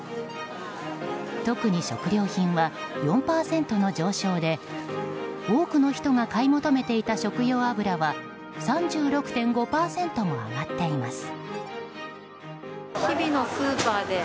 特に食料品は４％の上昇で多くの人が買い求めていた食用油は３６．５％も上がっています。